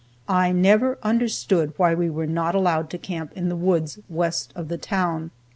I never understood why we were not allowed to camp in the woods west of the town.